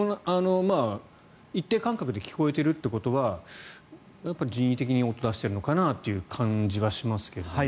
一定間隔で聞こえているということは人為的に音を出しているのかなという感じはしますが。